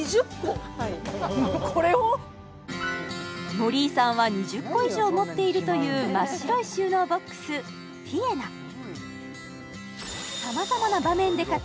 森井さんは２０個以上持っているという真っ白い収納ボックスティエナさまざまな場面で活躍する